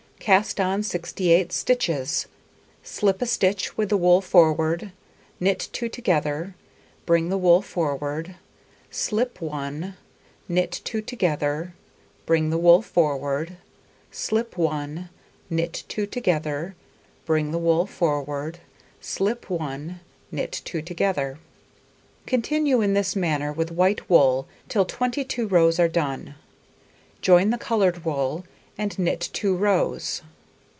Cast on 68 stitches, slip a stitch with the wool forward, knit 2 together, bring the wool forward, slip 1, knit 2 together, bring the wool forward, slip 1, knit 2 together, bring the wool forward, slip 1, knit 2 together. Continue in this manner with white wool till 22 rows are done. Join the coloured wool and knit 2 rows.